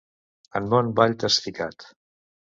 En bon ball t'has ficat!